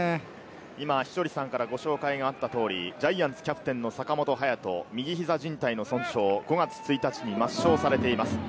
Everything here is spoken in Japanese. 今、稀哲さんからご紹介があった通り、ジャイアンツキャプテンの坂本勇人、右膝靭帯の損傷、５月１日に抹消されています。